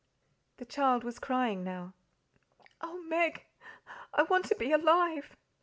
The child was crying now. "Oh, Meg, I want to be alive!